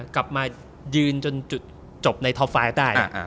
กลับมายืนจนจบในท็อป๕ได้